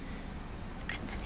良かったね。